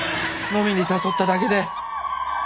飲みに誘っただけで。